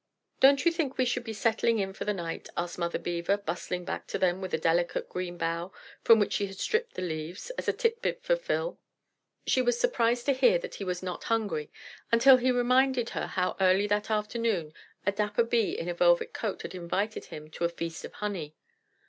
"Don't you think we should be settling in for the night?" asked Mother Beaver, bustling back to them with a delicate green bough, from which she had stripped the leaves, as a titbit for Phil. She was surprised to hear that he was not hungry, until he reminded her how early that afternoon a dapper Bee in a velvet coat had invited him to a feast of honey.